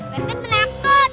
pak rete penakut